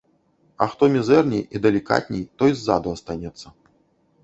А хто мізэрней і далікатней, той ззаду астанецца.